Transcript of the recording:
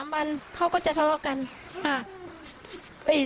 วันเขาก็จะทะเลาะกัน